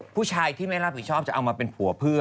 ผู้ชายที่ไม่รับผิดชอบจะเอามาเป็นผัวเพื่อ